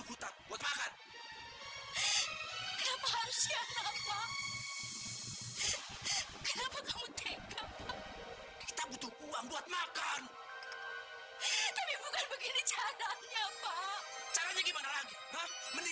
makan makan kita butuh uang buat makan caranya gimana